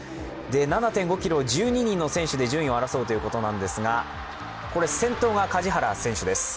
７．５ｋｍを１２人の選手で順位を争うんですが先頭が梶原選手です。